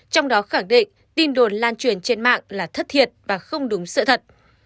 trong đó khẳng định tin đồn lan truyền trên mạng là thất thiệt và không đúng sự thật